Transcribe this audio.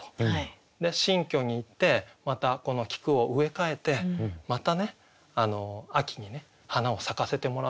新居に行ってまたこの菊を植え替えてまたね秋にね花を咲かせてもらうと。